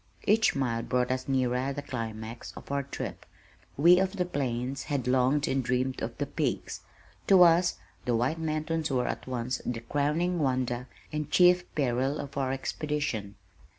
Each mile brought us nearer the climax of our trip. We of the plains had longed and dreamed of the peaks. To us the White Mountains were at once the crowning wonder and chief peril of our expedition.